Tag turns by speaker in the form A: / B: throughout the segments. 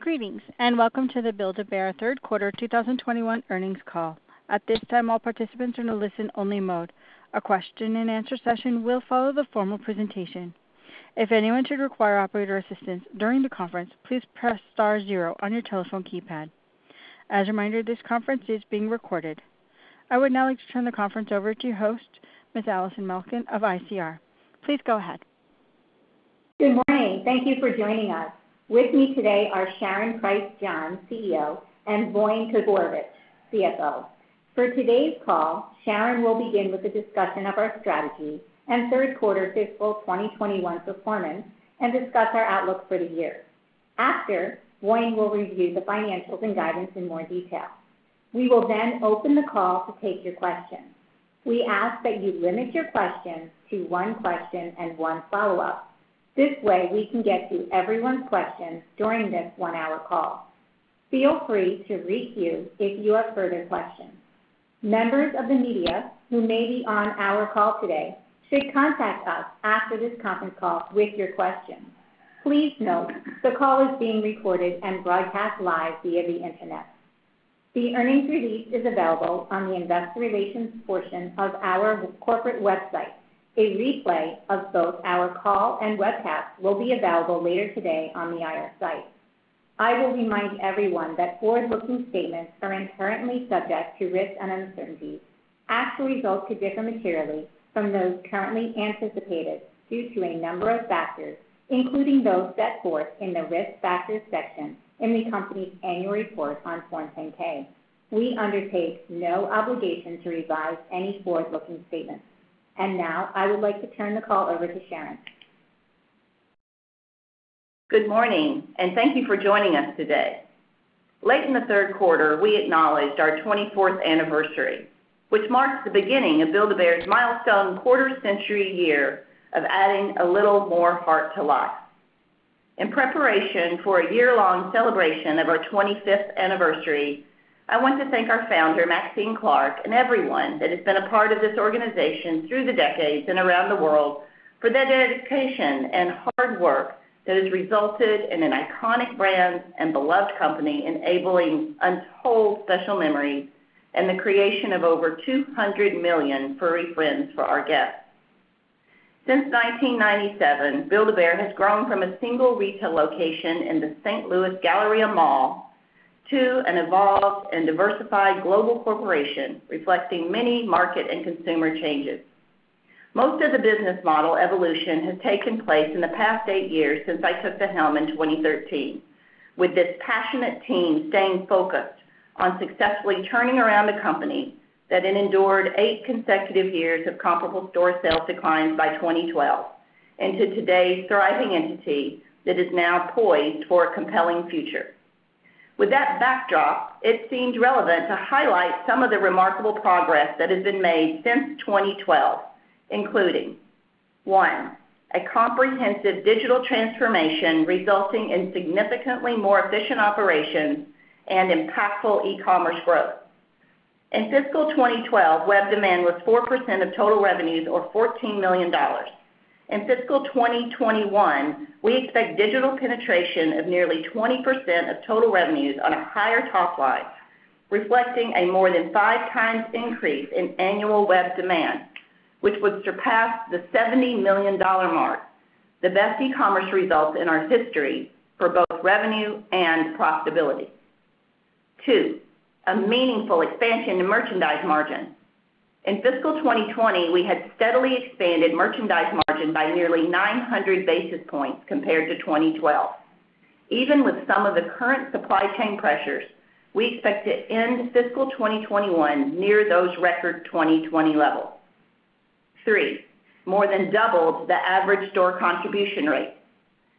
A: Greetings, and welcome to the Build-A-Bear Third Quarter 2021 Earnings Call. At this time, all participants are in a listen-only mode. A question and answer session will follow the formal presentation. If anyone should require operator assistance during the conference, please press star zero on your telephone keypad. As a reminder, this conference is being recorded. I would now like to turn the conference over to your host, Ms. Allison Malkin of ICR. Please go ahead.
B: Good morning. Thank you for joining us. With me today are Sharon Price John, CEO, and Voin Todorovic, CFO. For today's call, Sharon will begin with a discussion of our strategy and third-quarter fiscal 2021 performance and discuss our outlook for the year. After, Voin will review the financials and guidance in more detail. We will then open the call to take your questions. We ask that you limit your questions to one question and one follow-up. This way, we can get to everyone's questions during this one-hour call. Feel free to queue if you have further questions. Members of the media who may be on our call today should contact us after this conference call with your questions. Please note, the call is being recorded and broadcast live via the Internet. The earnings release is available on the investor relations portion of our corporate website. A replay of both our call and webcast will be available later today on the IR site. I will remind everyone that forward-looking statements are inherently subject to risks and uncertainties. Actual results could differ materially from those currently anticipated due to a number of factors, including those set forth in the Risk Factors section in the company's annual report on Form 10-K. We undertake no obligation to revise any forward-looking statements. Now, I would like to turn the call over to Sharon.
C: Good morning, and thank you for joining us today. Late in the third quarter, we acknowledged our 24th anniversary, which marks the beginning of Build-A-Bear's milestone quarter-century year of adding a little more heart to life. In preparation for a year-long celebration of our 25th anniversary, I want to thank our founder, Maxine Clark, and everyone that has been a part of this organization through the decades and around the world for their dedication and hard work that has resulted in an iconic brand and beloved company enabling untold special memories and the creation of over 200 million furry friends for our guests. Since 1997, Build-A-Bear has grown from a single retail location in the St. Louis Galleria Mall to an evolved and diversified global corporation reflecting many market and consumer changes. Most of the business model evolution has taken place in the past eight years since I took the helm in 2013, with this passionate team staying focused on successfully turning around a company that had endured eight consecutive years of comparable store sales declines by 2012 into today's thriving entity that is now poised for a compelling future. With that backdrop, it seemed relevant to highlight some of the remarkable progress that has been made since 2012, including, one, a comprehensive digital transformation resulting in significantly more efficient operations and impactful e-commerce growth. In fiscal 2012, web demand was 4% of total revenues or $14 million. In fiscal 2021, we expect digital penetration of nearly 20% of total revenues on a higher top line, reflecting a more than 5x increase in annual web demand, which would surpass the $70 million mark, the best e-commerce result in our history for both revenue and profitability. Two, a meaningful expansion in merchandise margin. In fiscal 2020, we had steadily expanded merchandise margin by nearly 900 basis points compared to 2012. Even with some of the current supply chain pressures, we expect to end fiscal 2021 near those record 2020 levels. Three, more than doubled the average store contribution rate.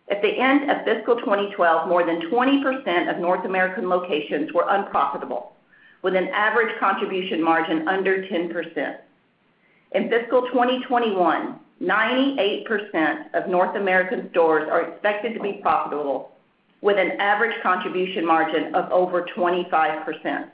C: At the end of fiscal 2012, more than 20% of North American locations were unprofitable, with an average contribution margin under 10%. In fiscal 2021, 98% of North American stores are expected to be profitable, with an average contribution margin of over 25%.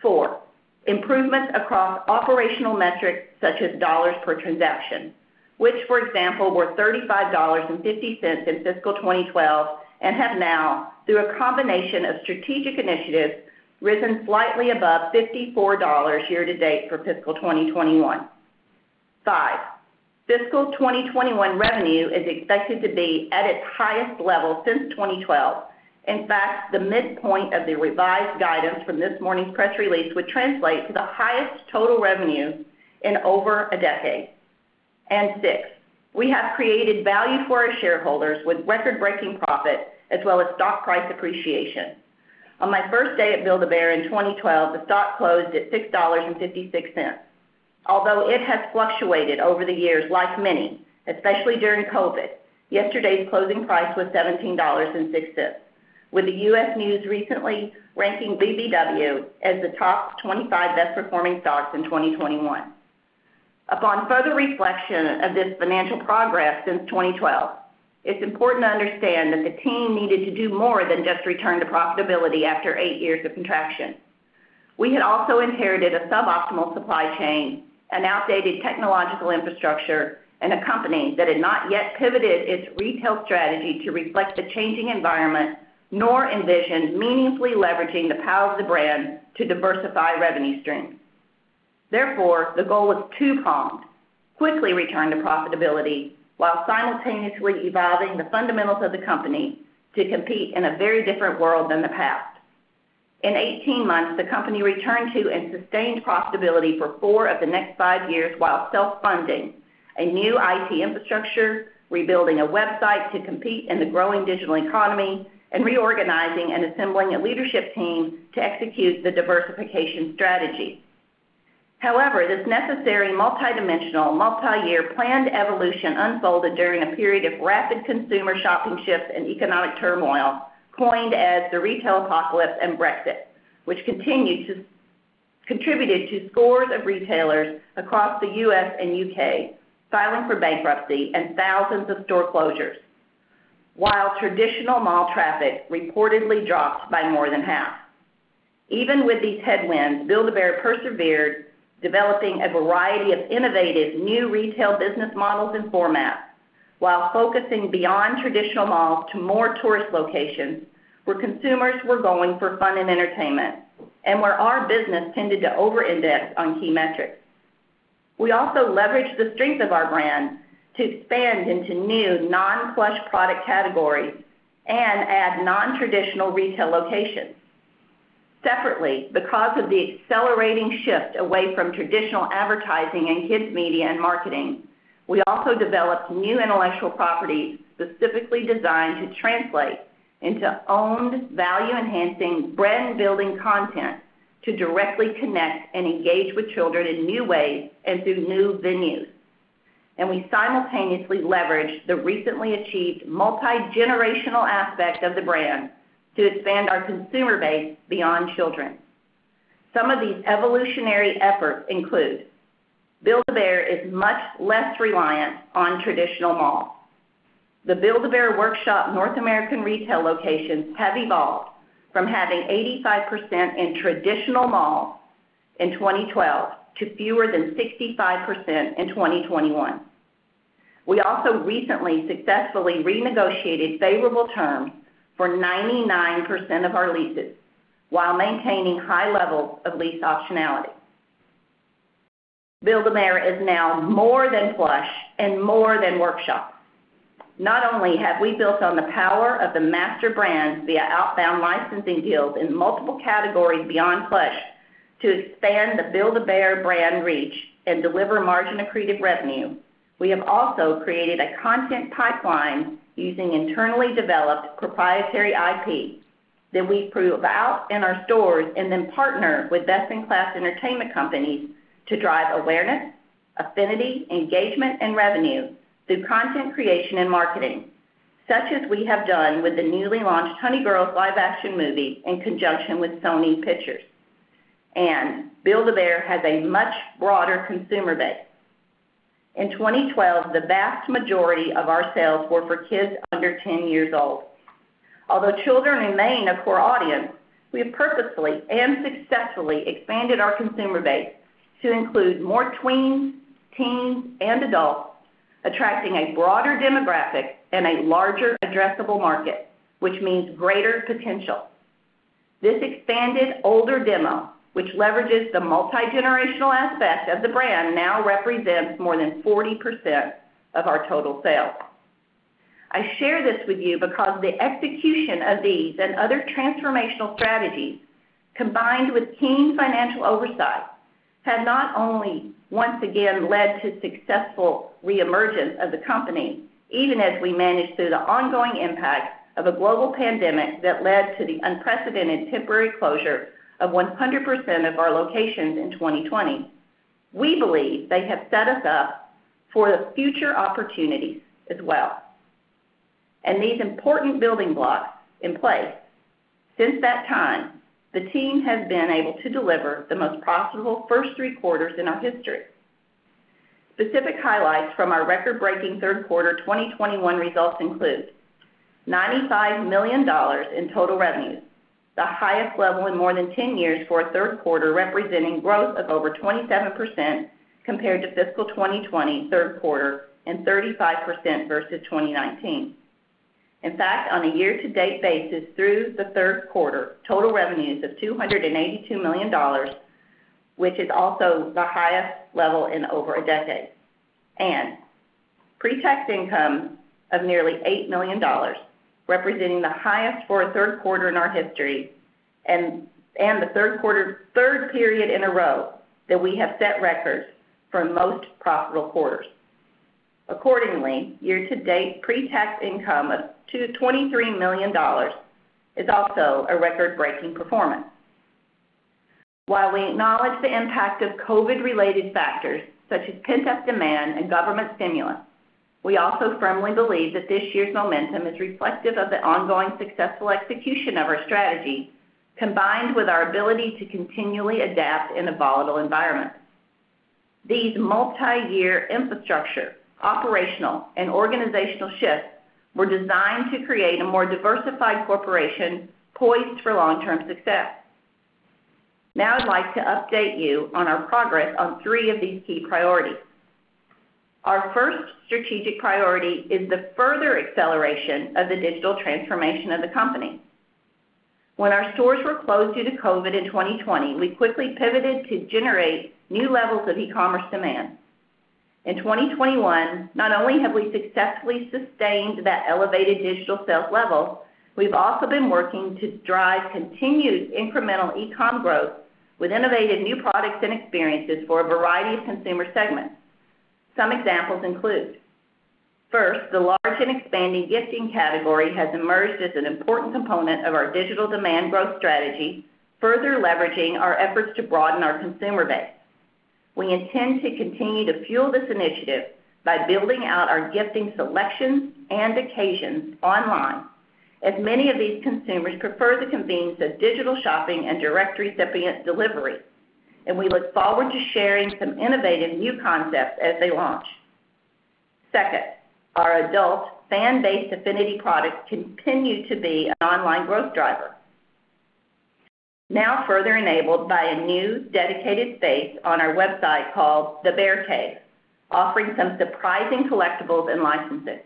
C: Four, improvements across operational metrics such as dollars per transaction, which, for example, were $35.50 in fiscal 2012 and have now, through a combination of strategic initiatives, risen slightly above $54 year to date for fiscal 2021. Five, fiscal 2021 revenue is expected to be at its highest level since 2012. In fact, the midpoint of the revised guidance from this morning's press release would translate to the highest total revenue in over a decade. Six, we have created value for our shareholders with record-breaking profit as well as stock price appreciation. On my first day at Build-A-Bear in 2012, the stock closed at $6.56. Although it has fluctuated over the years like many, especially during COVID, yesterday's closing price was $17.06, with the U.S. News recently ranking BBW as the top 25 best-performing stocks in 2021. Upon further reflection of this financial progress since 2012, it's important to understand that the team needed to do more than just return to profitability after eight years of contraction. We had also inherited a suboptimal supply chain, an outdated technological infrastructure, and a company that had not yet pivoted its retail strategy to reflect the changing environment, nor envisioned meaningfully leveraging the power of the brand to diversify revenue streams. Therefore, the goal was two-pronged. Quickly return to profitability while simultaneously evolving the fundamentals of the company to compete in a very different world than the past. In 18 months, the company returned to and sustained profitability for four of the next five years while self-funding a new IT infrastructure, rebuilding a website to compete in the growing digital economy, and reorganizing and assembling a leadership team to execute the diversification strategy. However, this necessary multidimensional, multi-year planned evolution unfolded during a period of rapid consumer shopping shifts and economic turmoil coined as the retailpocalypse and Brexit, which contributed to scores of retailers across the U.S. and U.K. filing for bankruptcy and thousands of store closures, while traditional mall traffic reportedly dropped by more than half. Even with these headwinds, Build-A-Bear persevered, developing a variety of innovative new retail business models and formats while focusing beyond traditional malls to more tourist locations where consumers were going for fun and entertainment, and where our business tended to over-index on key metrics. We also leveraged the strength of our brand to expand into new non-plush product categories and add non-traditional retail locations. Separately, because of the accelerating shift away from traditional advertising in kids' media and marketing, we also developed new intellectual properties specifically designed to translate into owned value-enhancing brand-building content to directly connect and engage with children in new ways and through new venues. We simultaneously leveraged the recently achieved multi-generational aspect of the brand to expand our consumer base beyond children. Some of these evolutionary efforts include that Build-A-Bear is much less reliant on traditional malls. The Build-A-Bear Workshop North American retail locations have evolved from having 85% in traditional malls in 2012 to fewer than 65% in 2021. We also recently successfully renegotiated favorable terms for 99% of our leases while maintaining high levels of lease optionality. Build-A-Bear is now more than plush and more than workshop. Not only have we built on the power of the master brand via outbound licensing deals in multiple categories beyond plush to expand the Build-A-Bear brand reach and deliver margin accretive revenue, we have also created a content pipeline using internally developed proprietary IP that we prove out in our stores and then partner with best-in-class entertainment companies to drive awareness, affinity, engagement, and revenue through content creation and marketing, such as we have done with the newly launched Honey Girls live-action movie in conjunction with Sony Pictures. Build-A-Bear has a much broader consumer base. In 2012, the vast majority of our sales were for kids under 10 years old. Although children remain a core audience, we have purposefully and successfully expanded our consumer base to include more tweens, teens, and adults, attracting a broader demographic and a larger addressable market, which means greater potential. This expanded older demo, which leverages the multi-generational aspect of the brand, now represents more than 40% of our total sales. I share this with you because the execution of these and other transformational strategies, combined with keen financial oversight, have not only once again led to successful reemergence of the company, even as we manage through the ongoing impact of a global pandemic that led to the unprecedented temporary closure of 100% of our locations in 2020. We believe they have set us up for the future opportunities as well with these important building blocks in place. Since that time, the team has been able to deliver the most profitable first three quarters in our history. Specific highlights from our record-breaking third quarter 2021 results include $95 million in total revenues, the highest level in more than 10 years for a third quarter, representing growth of over 27% compared to fiscal 2020 third quarter and 35% versus 2019. In fact, on a year-to-date basis through the third quarter, total revenues of $282 million, which is also the highest level in over a decade. Pretax income of nearly $8 million, representing the highest for a third quarter in our history and the third period in a row that we have set records for most profitable quarters. Accordingly, year-to-date pretax income of $23 million is also a record-breaking performance. While we acknowledge the impact of COVID-related factors, such as pent-up demand and government stimulus, we also firmly believe that this year's momentum is reflective of the ongoing successful execution of our strategy, combined with our ability to continually adapt in a volatile environment. These multiyear infrastructure, operational, and organizational shifts were designed to create a more diversified corporation poised for long-term success. Now I'd like to update you on our progress on three of these key priorities. Our first strategic priority is the further acceleration of the digital transformation of the company. When our stores were closed due to COVID in 2020, we quickly pivoted to generate new levels of e-commerce demand. In 2021, not only have we successfully sustained that elevated digital sales level, we've also been working to drive continued incremental e-com growth with innovative new products and experiences for a variety of consumer segments. Some examples include. First, the large and expanding gifting category has emerged as an important component of our digital demand growth strategy, further leveraging our efforts to broaden our consumer base. We intend to continue to fuel this initiative by building out our gifting selection and occasions online, as many of these consumers prefer the convenience of digital shopping and direct recipient delivery, and we look forward to sharing some innovative new concepts as they launch. Second, our adult fan-based affinity products continue to be an online growth driver. Now further enabled by a new dedicated space on our website called the Bear Cave, offering some surprising collectibles and licensing.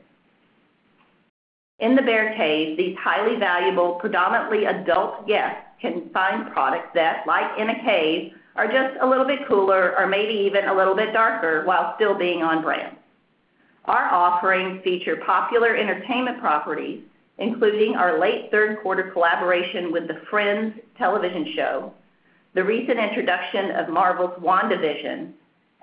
C: In the Bear Cave, these highly valuable, predominantly adult guests can find products that, like in a cave, are just a little bit cooler or maybe even a little bit darker while still being on brand. Our offerings feature popular entertainment properties, including our late third quarter collaboration with the Friends television show, the recent introduction of Marvel's WandaVision,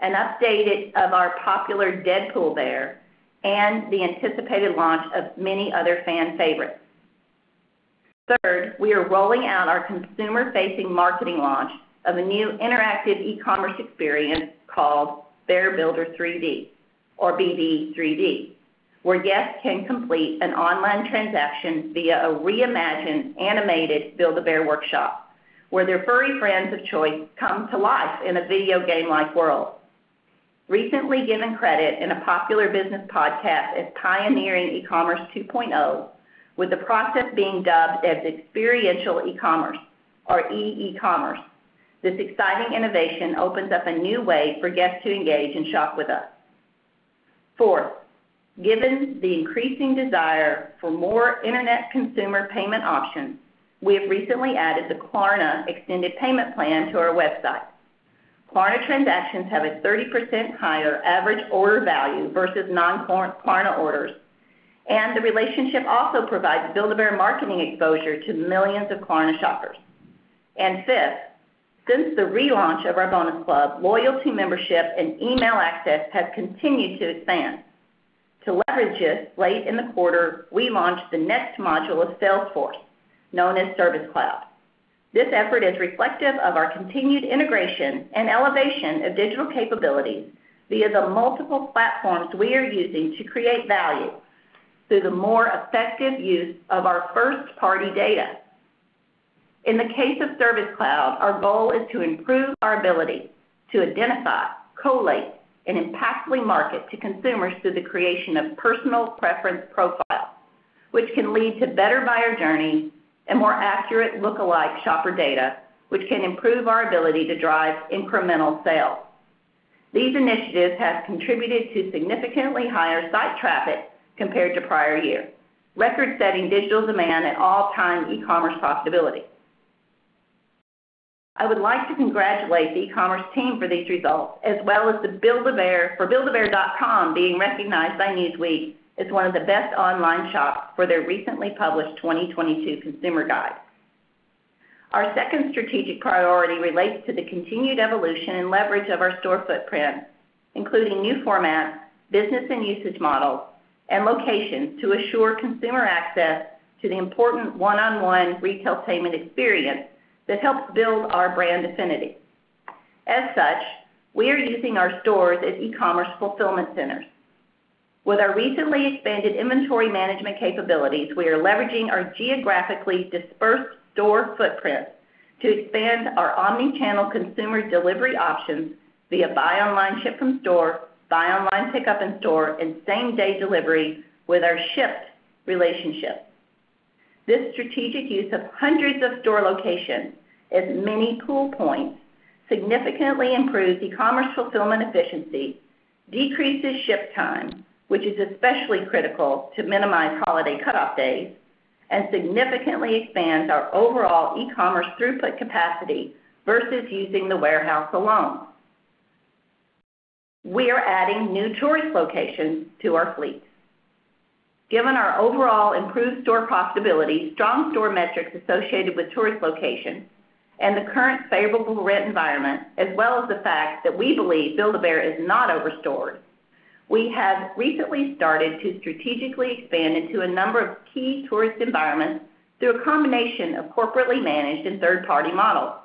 C: an update of our popular Deadpool bear, and the anticipated launch of many other fan favorites. Third, we are rolling out our consumer-facing marketing launch of a new interactive e-commerce experience called Bear Builder 3D or BB3D, where guests can complete an online transaction via a reimagined animated Build-A-Bear Workshop, where their furry friends of choice come to life in a video game-like world. Recently given credit in a popular business podcast as pioneering e-commerce 2.0, with the process being dubbed as experiential e-commerce or e-e-commerce. This exciting innovation opens up a new way for guests to engage and shop with us. Fourth, given the increasing desire for more internet consumer payment options, we have recently added the Klarna extended payment plan to our website. Klarna transactions have a 30% higher average order value versus non-Klarna orders, and the relationship also provides Build-A-Bear marketing exposure to millions of Klarna shoppers. Fifth, since the relaunch of our Bonus Club, loyalty membership and email access has continued to expand. To leverage this, late in the quarter, we launched the next module of Salesforce known as Service Cloud. This effort is reflective of our continued integration and elevation of digital capabilities via the multiple platforms we are using to create value through the more effective use of our first-party data. In the case of Service Cloud, our goal is to improve our ability to identify, collate, and impactfully market to consumers through the creation of personal preference profiles, which can lead to better buyer journey and more accurate look-alike shopper data, which can improve our ability to drive incremental sales. These initiatives have contributed to significantly higher site traffic compared to prior year, record-setting digital demand at all-time e-commerce profitability. I would like to congratulate the e-commerce team for these results, as well as the Build-A-Bear for buildabear.com being recognized by Newsweek as one of the best online shops for their recently published 2022 consumer guide. Our second strategic priority relates to the continued evolution and leverage of our store footprint, including new formats, business and usage models, and locations to assure consumer access to the important one-on-one retail payment experience that helps build our brand affinity. As such, we are using our stores as e-commerce fulfillment centers. With our recently expanded inventory management capabilities, we are leveraging our geographically dispersed store footprint to expand our omni-channel consumer delivery options via buy online, ship from store, buy online, pick up in store, and same-day delivery with our Shipt relationship. This strategic use of hundreds of store locations as mini pool points significantly improves e-commerce fulfillment efficiency, decreases ship time, which is especially critical to minimize holiday cutoff days, and significantly expands our overall e-commerce throughput capacity versus using the warehouse alone. We are adding new tourist locations to our fleet. Given our overall improved store profitability, strong store metrics associated with tourist locations, and the current favorable rent environment, as well as the fact that we believe Build-A-Bear is not over-stored, we have recently started to strategically expand into a number of key tourist environments through a combination of corporately managed and third-party models.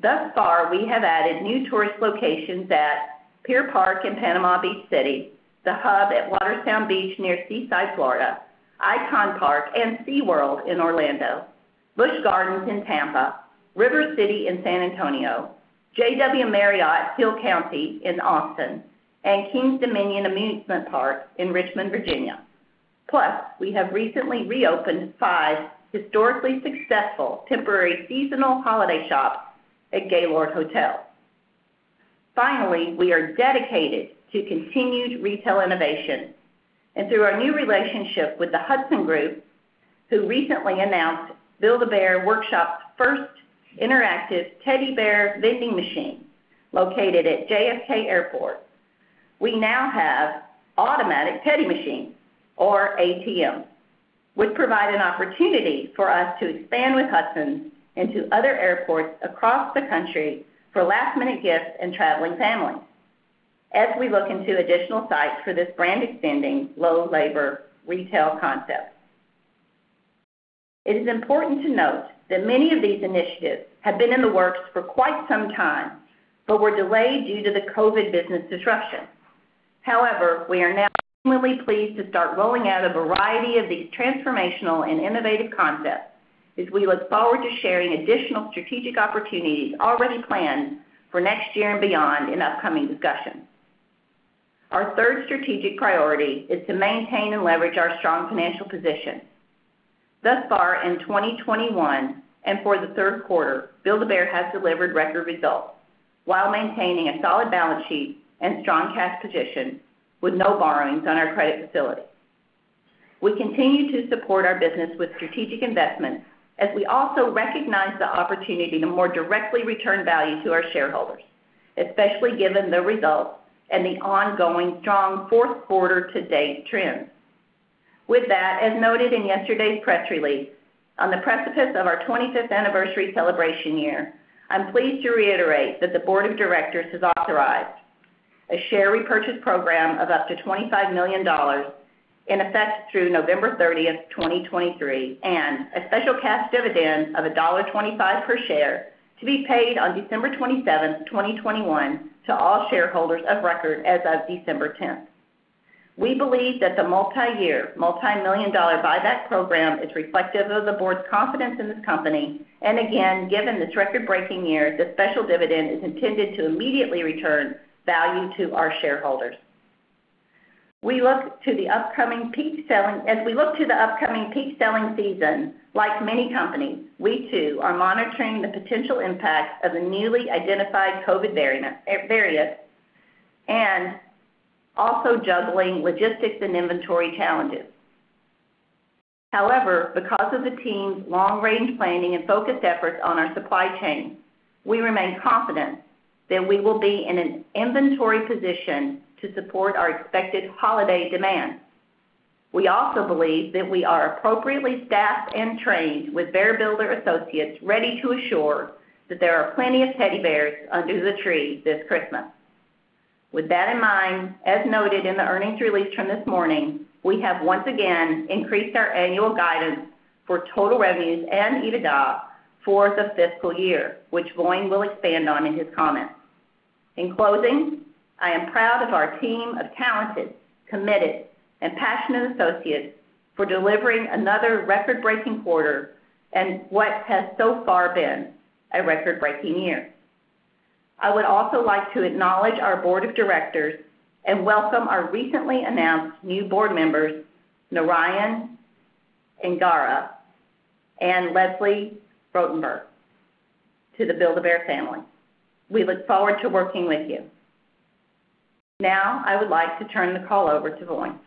C: Thus far, we have added new tourist locations at Pier Park in Panama City Beach, The Hub at WaterSound Beach near Seaside, Florida, Icon Park and SeaWorld in Orlando, Busch Gardens in Tampa, Rivercenter in San Antonio, JW Marriott Hill Country in San Antonio, and Kings Dominion Amusement Park in Richmond, Virginia. Plus, we have recently reopened five historically successful temporary seasonal holiday shops at Gaylord Hotels. Finally, we are dedicated to continued retail innovation. Through our new relationship with the Hudson Group, who recently announced Build-A-Bear Workshop's first interactive teddy bear vending machine located at JFK Airport. We now have automatic teddy machines, or ATMs, which provide an opportunity for us to expand with Hudson into other airports across the country for last-minute gifts and traveling families as we look into additional sites for this brand-extending, low-labor retail concept. It is important to note that many of these initiatives have been in the works for quite some time, but were delayed due to the COVID business disruption. However, we are now extremely pleased to start rolling out a variety of these transformational and innovative concepts as we look forward to sharing additional strategic opportunities already planned for next year and beyond in upcoming discussions. Our third strategic priority is to maintain and leverage our strong financial position. Thus far in 2021 and for the third quarter, Build-A-Bear has delivered record results while maintaining a solid balance sheet and strong cash position with no borrowings on our credit facility. We continue to support our business with strategic investments as we also recognize the opportunity to more directly return value to our shareholders, especially given the results and the ongoing strong fourth quarter to-date trends. With that, as noted in yesterday's press release, on the precipice of our 25th anniversary celebration year, I'm pleased to reiterate that the board of directors has authorized a share repurchase program of up to $25 million in effect through November 30th, 2023, and a special cash dividend of $1.25 per share to be paid on December 27th, 2021 to all shareholders of record as of December 10th. We believe that the multi-year, multi-million dollar buyback program is reflective of the board's confidence in this company. Again, given this record-breaking year, the special dividend is intended to immediately return value to our shareholders. As we look to the upcoming peak selling season, like many companies, we too are monitoring the potential impact of the newly identified COVID variant and also juggling logistics and inventory challenges. However, because of the team's long-range planning and focused efforts on our supply chain, we remain confident that we will be in an inventory position to support our expected holiday demand. We also believe that we are appropriately staffed and trained with Bear Builder associates ready to assure that there are plenty of teddy bears under the tree this Christmas. With that in mind, as noted in the earnings release from this morning, we have once again increased our annual guidance for total revenues and EBITDA for the fiscal year, which Voin will expand on in his comments. In closing, I am proud of our team of talented, committed, and passionate associates for delivering another record-breaking quarter and what has so far been a record-breaking year. I would also like to acknowledge our board of directors and welcome our recently announced new board members, Narayan Iyengar and Lesli Rotenberg, to the Build-A-Bear family. We look forward to working with you. Now, I would like to turn the call over to Voin.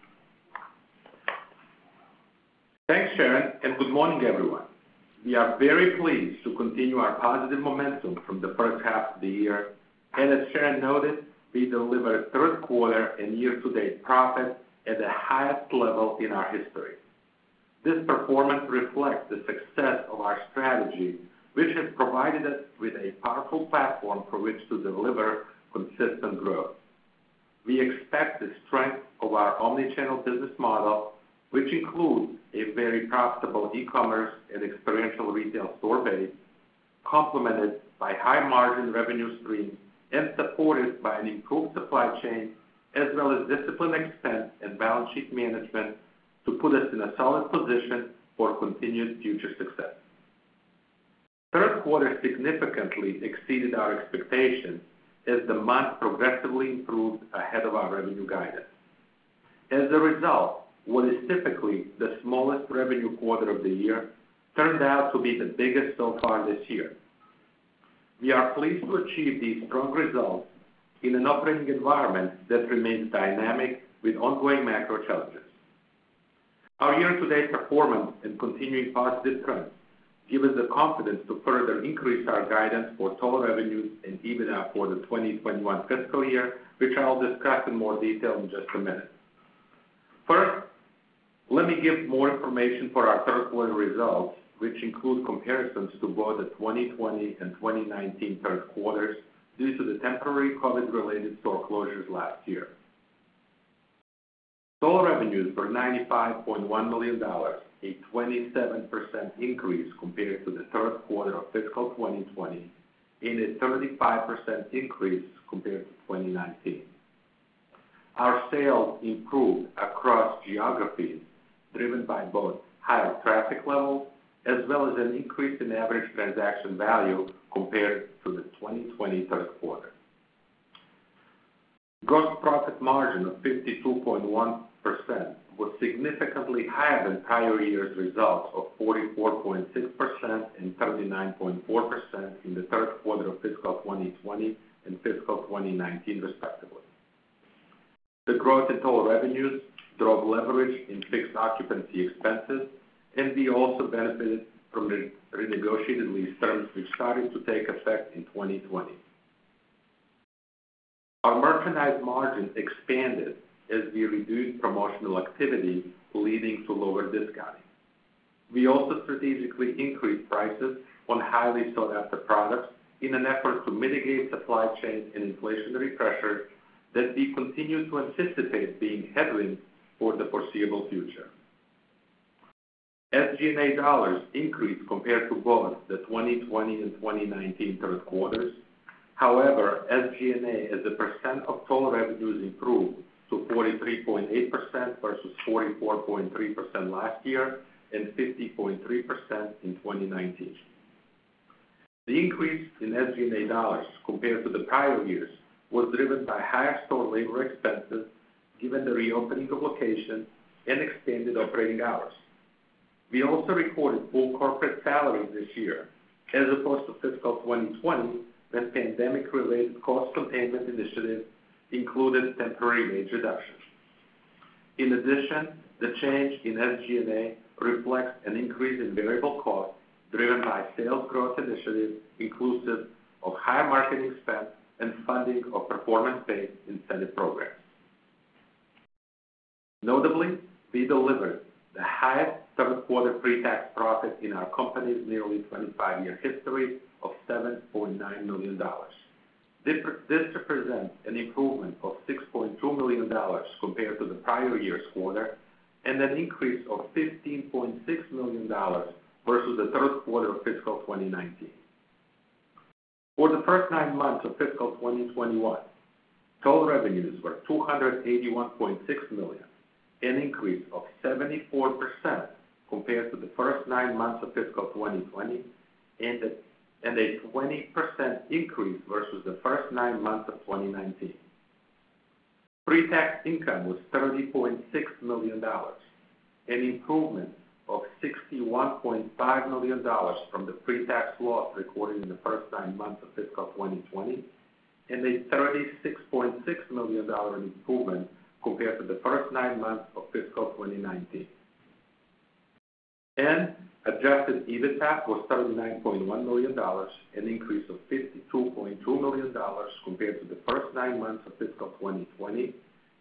D: Thanks, Sharon, and good morning, everyone. We are very pleased to continue our positive momentum from the first half of the year. As Sharon noted, we delivered third-quarter and year-to-date profits at the highest level in our history. This performance reflects the success of our strategy, which has provided us with a powerful platform from which to deliver consistent growth. We expect the strength of our omni-channel business model, which includes a very profitable e-commerce and experiential retail store base, complemented by high-margin revenue streams and supported by an improved supply chain as well as disciplined expense and balance sheet management to put us in a solid position for continued future success. Third quarter significantly exceeded our expectations as the month progressively improved ahead of our revenue guidance. As a result, what is typically the smallest revenue quarter of the year turned out to be the biggest so far this year. We are pleased to achieve these strong results in an operating environment that remains dynamic with ongoing macro challenges. Our year-to-date performance and continuing positive trends give us the confidence to further increase our guidance for total revenues and EBITDA for the 2021 fiscal year, which I'll discuss in more detail in just a minute. First, let me give more information for our third-quarter results, which include comparisons to both the 2020 and 2019 third quarters due to the temporary COVID-related store closures last year. Total revenues were $95.1 million, a 27% increase compared to the third quarter of fiscal 2020 and a 35% increase compared to 2019. Our sales improved across geographies, driven by both higher traffic levels as well as an increase in average transaction value compared to the 2020 third quarter. Gross profit margin of 52.1% was significantly higher than prior year's results of 44.6% and 39.4% in the third quarter of fiscal 2020 and fiscal 2019 respectively. The growth in total revenues drove leverage in fixed occupancy expenses, and we also benefited from the renegotiated lease terms, which started to take effect in 2020. Our merchandise margin expanded as we reduced promotional activity, leading to lower discounting. We also strategically increased prices on highly sought-after products in an effort to mitigate supply chain and inflationary pressures that we continue to anticipate being headwind for the foreseeable future. SG&A dollars increased compared to both the 2020 and 2019 third quarters. However, SG&A as a percent of total revenues improved to 43.8% versus 44.3% last year and 50.3% in 2019. The increase in SG&A dollars compared to the prior years was driven by higher store labor expenses given the reopening of locations and extended operating hours. We also recorded full corporate salaries this year as opposed to fiscal 2020 when pandemic-related cost containment initiatives included temporary wage reductions. In addition, the change in SG&A reflects an increase in variable costs driven by sales growth initiatives inclusive of higher marketing spend and funding of performance-based incentive programs. Notably, we delivered the highest third-quarter pre-tax profit in our company's nearly 25-year history of $7.9 million. This represents an improvement of $6.2 million compared to the prior year's quarter and an increase of $15.6 million versus the third quarter of fiscal 2019. For the first nine months of fiscal 2021, total revenues were $281.6 million, an increase of 74% compared to the first nine months of fiscal 2020 and a 20% increase versus the first nine months of 2019. Pre-tax income was $30.6 million, an improvement of $61.5 million from the pre-tax loss recorded in the first nine months of fiscal 2020, and a $36.6 million improvement compared to the first nine months of fiscal 2019. Adjusted EBITDA was $39.1 million, an increase of $52.2 million compared to the first nine months of fiscal 2020,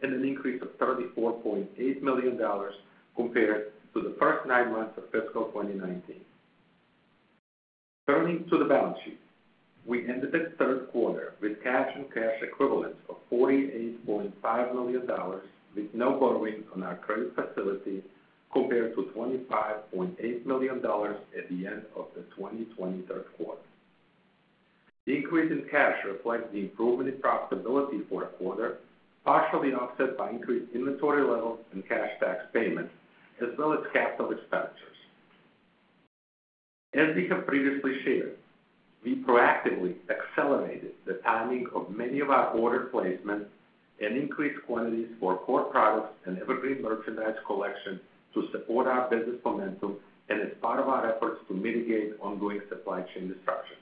D: and an increase of $34.8 million compared to the first nine months of fiscal 2019. Turning to the balance sheet. We ended the third quarter with cash and cash equivalents of $48.5 million, with no borrowings on our credit facility compared to $25.8 million at the end of the 2020 third quarter. The increase in cash reflects the improvement in profitability for a quarter, partially offset by increased inventory levels and cash tax payments as well as capital expenditures. We have previously shared, we proactively accelerated the timing of many of our order placements and increased quantities for core products and evergreen merchandise collection to support our business momentum and as part of our efforts to mitigate ongoing supply chain disruptions.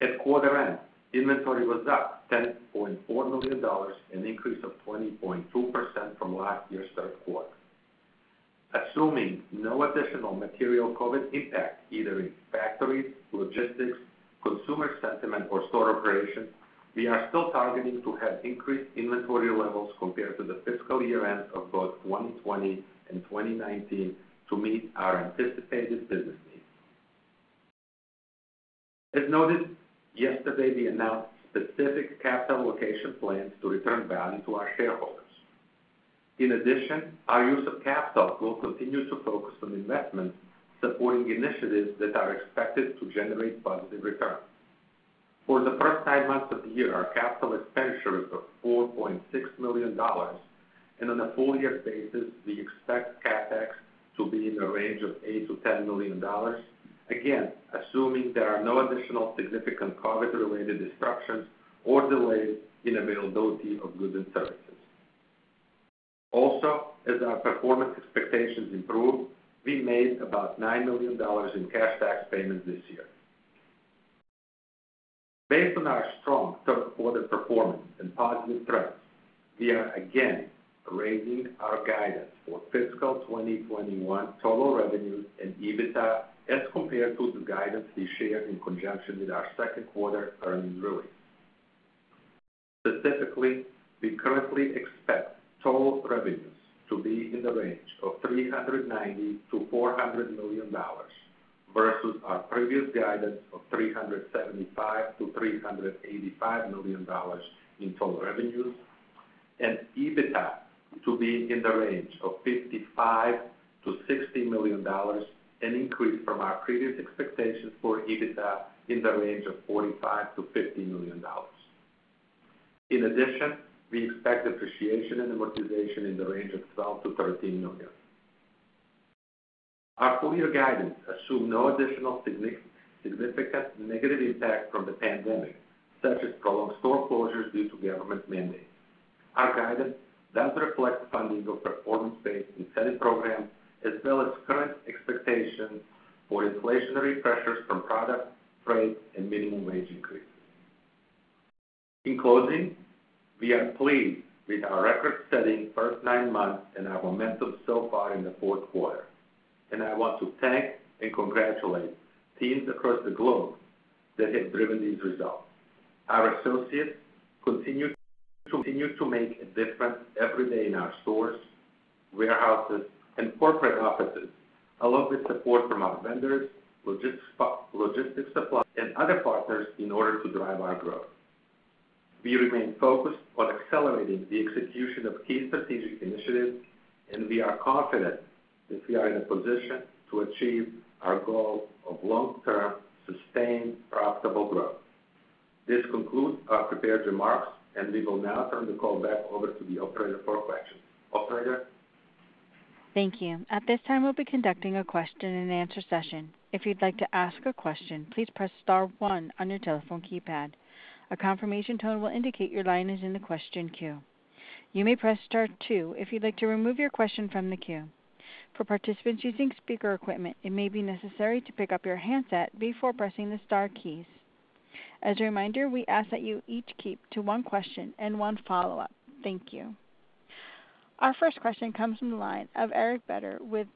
D: At quarter end, inventory was up $10.4 million, an increase of 20.2% from last year's third quarter. Assuming no additional material COVID impact, either in factories, logistics, consumer sentiment, or store operations, we are still targeting to have increased inventory levels compared to the fiscal year-end of both 2020 and 2019 to meet our anticipated business needs. As noted yesterday, we announced specific capital allocation plans to return value to our shareholders. In addition, our use of capital will continue to focus on investments supporting initiatives that are expected to generate positive returns. For the first nine months of the year, our capital expenditures of $4.6 million and on a full-year basis, we expect CapEx to be in the range of $8 million-$10 million, again, assuming there are no additional significant COVID-related disruptions or delays in availability of goods and services. Also, as our performance expectations improved, we made about $9 million in cash tax payments this year. Based on our strong third quarter performance and positive trends, we are again raising our guidance for fiscal 2021 total revenues and EBITDA as compared to the guidance we shared in conjunction with our second quarter earnings release. Specifically, we currently expect total revenues to be in the range of $390 million-$400 million versus our previous guidance of $375 million-$385 million in total revenues and EBITDA to be in the range of $55 million-$60 million, an increase from our previous expectations for EBITDA in the range of $45 million-$50 million. In addition, we expect depreciation and amortization in the range of $12 million-$13 million. Our full-year guidance assumes no additional significant negative impact from the pandemic, such as prolonged store closures due to government mandates. Our guidance does reflect funding of performance-based incentive programs as well as current expectations for inflationary pressures from product, freight, and minimum wage increases. In closing, we are pleased with our record-setting first nine months and our momentum so far in the fourth quarter, and I want to thank and congratulate teams across the globe that have driven these results. Our associates continue to make a difference every day in our stores, warehouses, and corporate offices, along with support from our vendors, logistic suppliers, and other partners in order to drive our growth. We remain focused on accelerating the execution of key strategic initiatives, and we are confident that we are in a position to achieve our goal of long-term, sustained, profitable growth. This concludes our prepared remarks, and we will now turn the call back over to the operator for questions. Operator?
A: Thank you. At this time, we'll be conducting a questio- and-answer session. If you'd like to ask a question, please press star one on your telephone keypad. A confirmation tone will indicate your line is in the question queue. You may press star two if you'd like to remove your question from the queue. For participants using speaker equipment, it may be necessary to pick up your handset before pressing the star keys. As a reminder, we ask that you each keep to one question and one follow-up. Thank you. Our first question comes from the line of Eric Beder with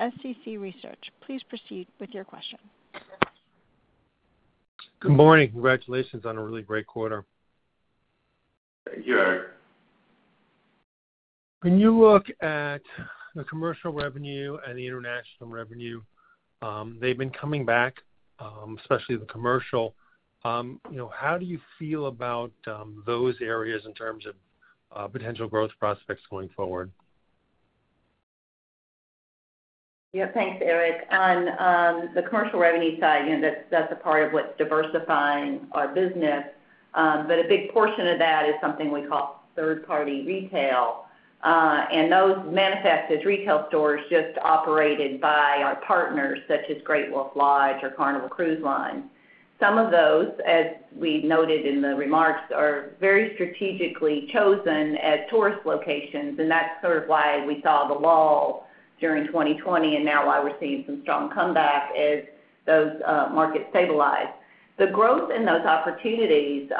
A: SCC Research. Please proceed with your question.
E: Good morning. Congratulations on a really great quarter.
D: Thank you, Eric.
E: When you look at the commercial revenue and the international revenue, they've been coming back, especially the commercial. You know, how do you feel about those areas in terms of potential growth prospects going forward?
C: Yeah. Thanks, Eric. On the commercial revenue side, you know, that's a part of what's diversifying our business, but a big portion of that is something we call third-party retail, and those manifest as retail stores just operated by our partners such as Great Wolf Lodge or Carnival Cruise Line. Some of those, as we noted in the remarks, are very strategically chosen at tourist locations, and that's sort of why we saw the lull during 2020 and now why we're seeing some strong comeback as those markets stabilize. The growth in those opportunities,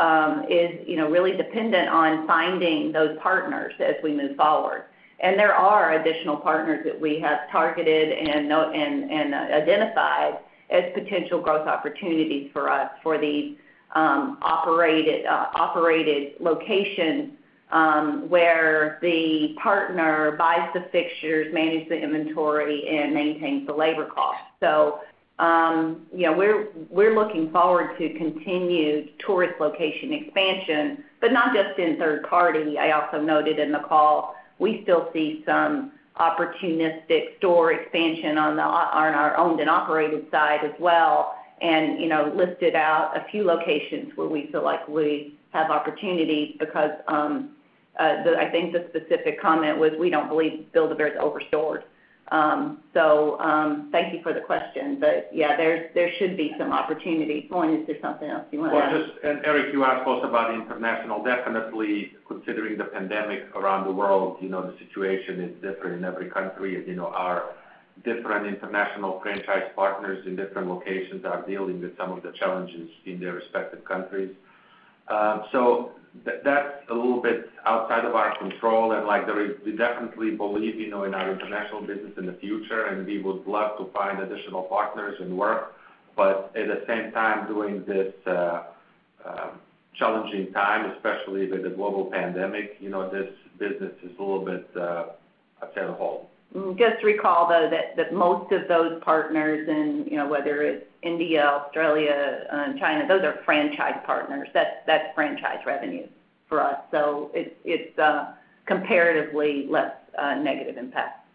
C: you know, really dependent on finding those partners as we move forward. There are additional partners that we have targeted and identified as potential growth opportunities for us for these operated locations, where the partner buys the fixtures, manages the inventory, and maintains the labor costs. You know, we're looking forward to continued tourist location expansion, but not just in third-party. I also noted in the call we still see some opportunistic store expansion on our owned and operated side as well and, you know, listed out a few locations where we feel like we have opportunities because I think the specific comment was we don't believe Build-A-Bear is over-stored. Thank you for the question. Yeah, there should be some opportunity. Owen, is there something else you wanna add?
D: Eric, you asked also about international. Definitely considering the pandemic around the world, you know, the situation is different in every country. As you know, our different international franchise partners in different locations are dealing with some of the challenges in their respective countries. That's a little bit outside of our control. We definitely believe, you know, in our international business in the future, and we would love to find additional partners and work. At the same time, during this challenging time, especially with the global pandemic, you know, this business is a little bit on a standstill.
C: Just recall, though, that most of those partners and, you know, whether it's India, Australia, and China, those are franchise partners. That's franchise revenue for us. It's comparatively less negative impact.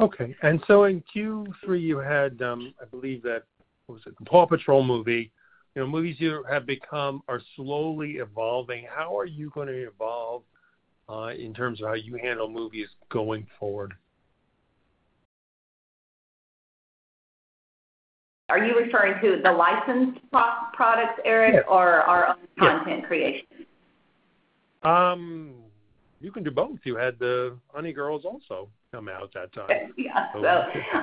E: Okay. In Q3 you had, I believe that, what was it? The PAW Patrol movie. You know, movies here have become more slowly evolving. How are you gonna evolve in terms of how you handle movies going forward?
C: Are you referring to the licensed pro-products, Eric?
E: Yes.
C: Our own content creation?
E: You can do both. You had the Honey Girls also come out that time.
C: Yeah.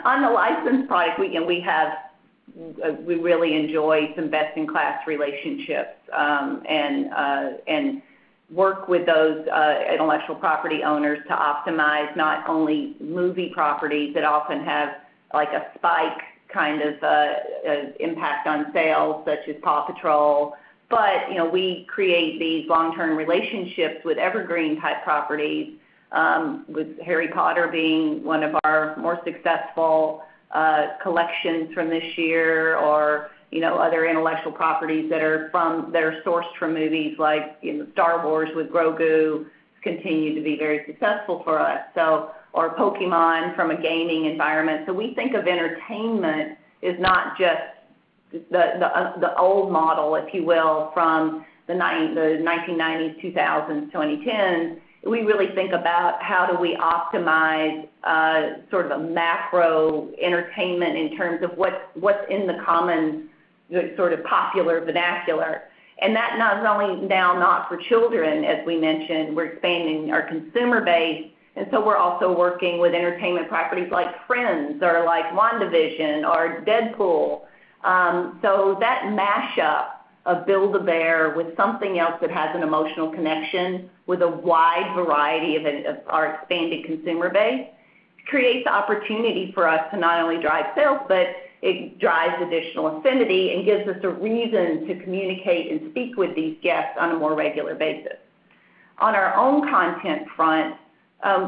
C: On the licensed product, you know, we really enjoy some best-in-class relationships and work with those intellectual property owners to optimize not only movie properties that often have, like, a spike kind of impact on sales, such as PAW Patrol, but, you know, we create these long-term relationships with Evergreen-type properties, with Harry Potter being one of our more successful collections from this year, or, you know, other intellectual properties that are sourced from movies like, you know, Star Wars with Grogu continue to be very successful for us. Pokémon from a gaming environment. We think of entertainment as not just the old model, if you will, from the 1990s, 2000s, 2010s. We really think about how do we optimize sort of a macro entertainment in terms of what's in the common sort of popular vernacular. That not only now not for children, as we mentioned, we're expanding our consumer base. We're also working with entertainment properties like Friends or like WandaVision or Deadpool. So that mashup of Build-A-Bear with something else that has an emotional connection with a wide variety of of our expanded consumer base creates opportunity for us to not only drive sales, but it drives additional affinity and gives us a reason to communicate and speak with these guests on a more regular basis. On our own content front,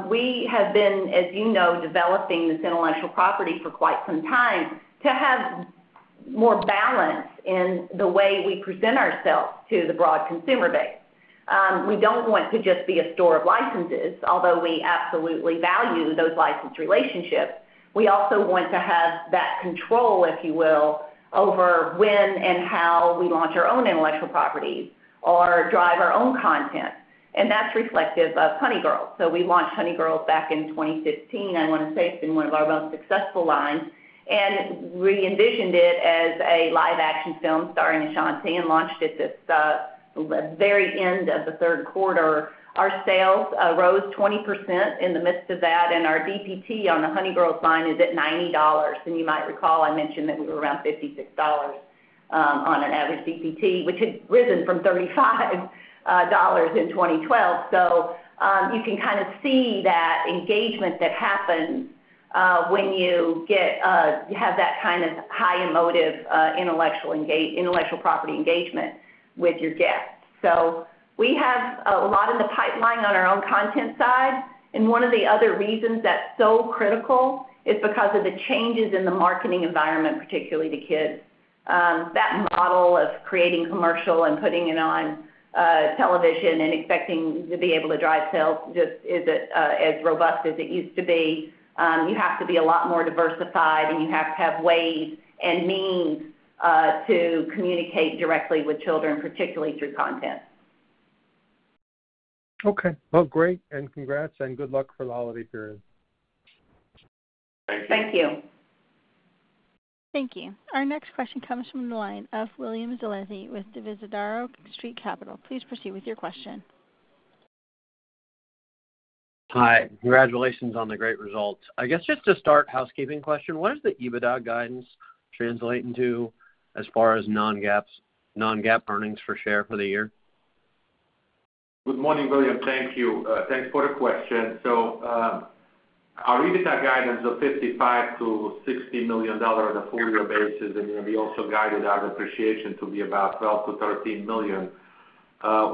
C: we have been, as you know, developing this intellectual property for quite some time to have more balance in the way we present ourselves to the broad consumer base. We don't want to just be a store of licenses, although we absolutely value those license relationships. We also want to have that control, if you will, over when and how we launch our own intellectual properties or drive our own content, and that's reflective of Honey Girls. We launched Honey Girls back in 2015. I wanna say it's been one of our most successful lines. We envisioned it as a live-action film starring Ashanti and launched it this very end of the third quarter. Our sales rose 20% in the midst of that, and our DPT on the Honey Girls line is at $90. You might recall I mentioned that we were around $56 on an average DPT, which had risen from $35 in 2012. You can kind of see that engagement that happens when you have that kind of high emotive intellectual property engagement with your guests. We have a lot in the pipeline on our own content side. One of the other reasons that's so critical is because of the changes in the marketing environment, particularly to kids. That model of creating commercial and putting it on television and expecting to be able to drive sales just isn't as robust as it used to be. You have to be a lot more diversified, and you have to have ways and means to communicate directly with children, particularly through content.
E: Okay. Well, great. Congrats, and good luck for the holiday period.
C: Thank you.
A: Thank you. Our next question comes from the line of William Zolezzi with Divisadero Street Capital. Please proceed with your question.
F: Hi. Congratulations on the great results. I guess, just to start, housekeeping question, what does the EBITDA guidance translate into as far as non-GAAP earnings per share for the year?
D: Good morning, William. Thank you. Thanks for the question. Our EBITDA guidance of $55 million-$60 million on a full-year basis, and we also guided our depreciation to be about $12 million-$13 million.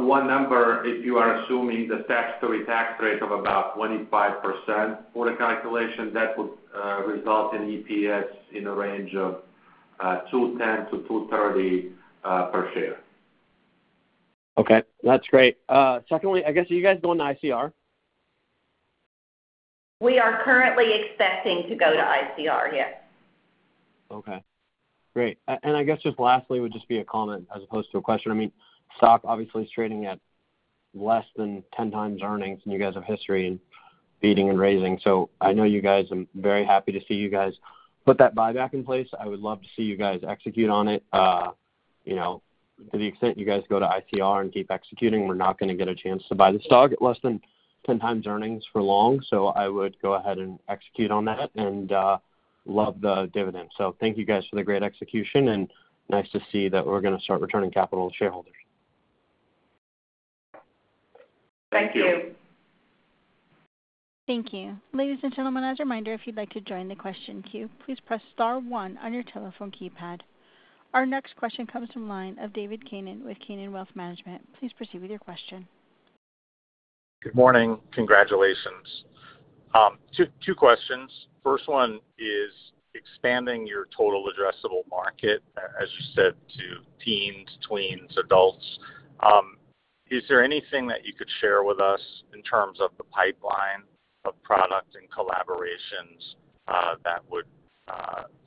D: One number, if you are assuming the statutory tax rate of about 25% for the calculation, that would result in EPS in the range of $2.10-$2.30 per share.
F: Okay, that's great. Secondly, I guess, are you guys going to ICR?
C: We are currently expecting to go to ICR, yes.
F: Okay, great. And I guess, just lastly, would just be a comment as opposed to a question. I mean, stock obviously is trading at less than 10x earnings, and you guys have history in beating and raising. I know you guys, I'm very happy to see you guys put that buyback in place. I would love to see you guys execute on it. You know, to the extent you guys go to ICR and keep executing, we're not gonna get a chance to buy the stock at less than 10x earnings for long. I would go ahead and execute on that and love the dividend. Thank you guys for the great execution, and nice to see that we're gonna start returning capital to shareholders.
C: Thank you.
A: Thank you. Ladies and gentlemen, as a reminder, if you'd like to join the question queue, please press star one on your telephone keypad. Our next question comes from line of David Kanen with Kanen Wealth Management. Please proceed with your question.
G: Good morning. Congratulations. Two questions. First one is expanding your total addressable market, as you said to teens, tweens, adults. Is there anything that you could share with us in terms of the pipeline of product and collaborations that would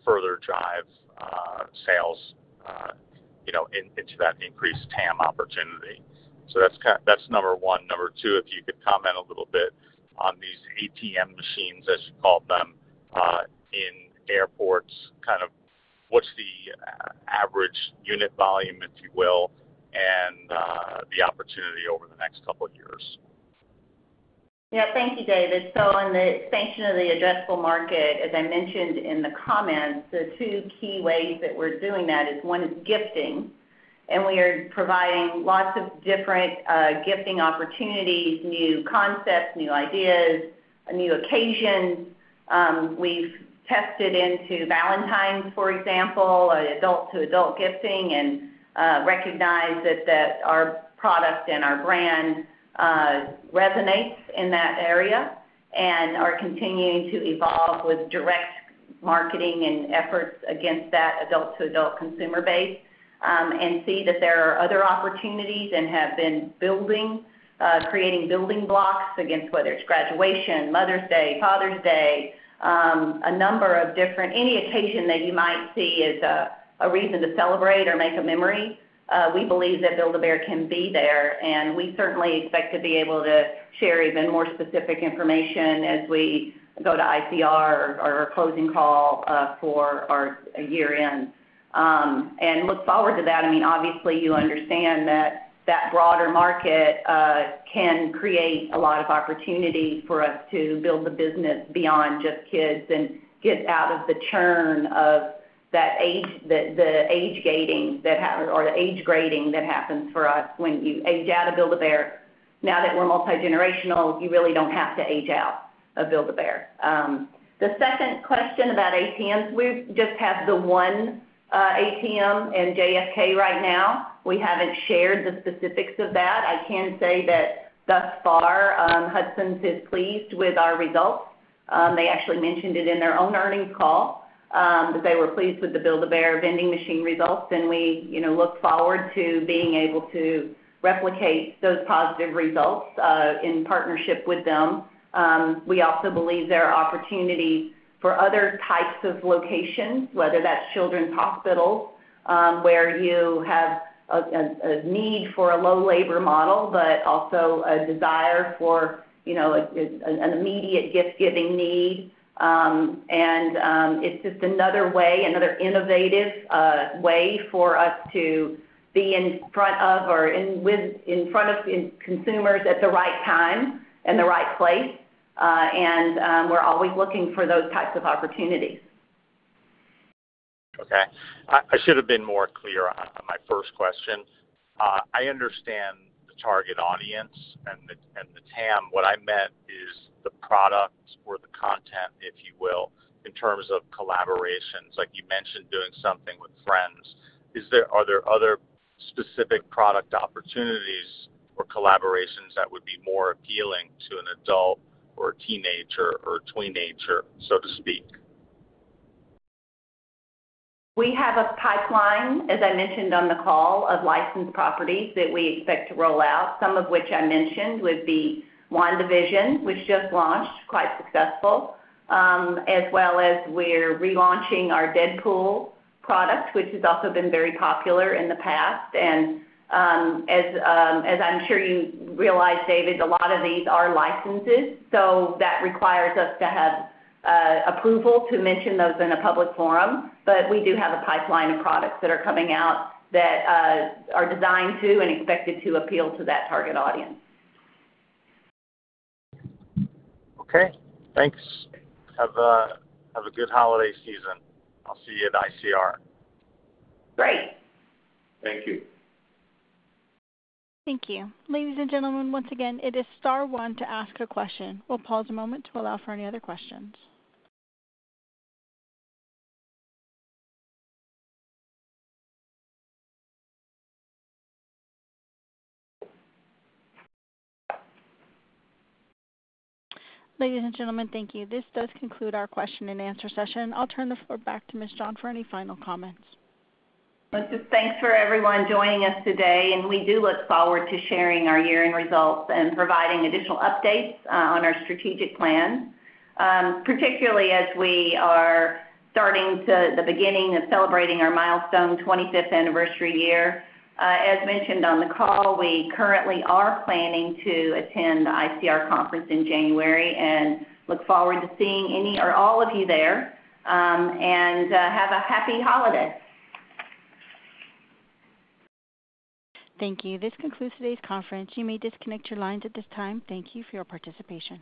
G: further drive sales, you know, into that increased TAM opportunity? That's number one. Number two, if you could comment a little bit on these ATM machines, as you called them, in airports. Kind of what's the average unit volume, if you will, and the opportunity over the next couple of years?
C: Yeah. Thank you, David. On the expansion of the addressable market, as I mentioned in the comments, the two key ways that we're doing that is, one is gifting, and we are providing lots of different gifting opportunities, new concepts, new ideas, new occasions. We've tested into Valentine's, for example, adult-to-adult gifting, and recognized that our product and our brand resonates in that area and are continuing to evolve with direct marketing and efforts against that adult-to-adult consumer base, and see that there are other opportunities and have been building, creating building blocks against whether it's graduation, Mother's Day, Father's Day, a number of different any occasion that you might see as a reason to celebrate or make a memory, we believe that Build-A-Bear can be there. We certainly expect to be able to share even more specific information as we go to ICR, our closing call, for our year-end. Look forward to that. I mean, obviously you understand that that broader market can create a lot of opportunity for us to build the business beyond just kids and get out of the churn of that age, the age gating that happens or the age grading that happens for us when you age out of Build-A-Bear. Now that we're multi-generational, you really don't have to age out of Build-A-Bear. The second question about ATMs, we just have the one ATM in JFK right now. We haven't shared the specifics of that. I can say that thus far, Hudson's is pleased with our results. They actually mentioned it in their own earnings call that they were pleased with the Build-A-Bear vending machine results, and we, you know, look forward to being able to replicate those positive results in partnership with them. We also believe there are opportunities for other types of locations, whether that's children's hospitals, where you have a need for a low labor model but also a desire for, you know, an immediate gift-giving need. It's just another way, another innovative way for us to be in front of consumers at the right time and the right place. We're always looking for those types of opportunities.
G: Okay. I should have been more clear on my first question. I understand the target audience and the TAM. What I meant is the products or the content, if you will, in terms of collaborations. Like you mentioned doing something with Friends. Are there other specific product opportunities or collaborations that would be more appealing to an adult or a teenager or a tweenager, so to speak?
C: We have a pipeline, as I mentioned on the call, of licensed properties that we expect to roll out, some of which I mentioned would be WandaVision, which just launched, quite successful, as well as we're relaunching our Deadpool product, which has also been very popular in the past. I'm sure you realize, David, a lot of these are licenses, so that requires us to have approval to mention those in a public forum. We do have a pipeline of products that are coming out that are designed to and expected to appeal to that target audience.
G: Okay. Thanks. Have a good holiday season. I'll see you at ICR.
C: Great.
D: Thank you.
A: Thank you. Ladies and gentlemen, once again, it is star one to ask a question. We'll pause a moment to allow for any other questions. Ladies and gentlemen, thank you. This does conclude our question-and-answer session. I'll turn the floor back to Ms. John for any final comments.
C: Thanks for everyone joining us today, and we do look forward to sharing our year-end results and providing additional updates on our strategic plan, particularly as we are starting to the beginning of celebrating our milestone 25th anniversary year. As mentioned on the call, we currently are planning to attend the ICR conference in January and look forward to seeing any or all of you there. Have a happy holiday.
A: Thank you. This concludes today's conference. You may disconnect your lines at this time. Thank you for your participation.